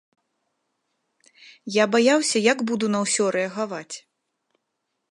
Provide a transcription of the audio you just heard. Я баяўся, як буду на ўсё рэагаваць.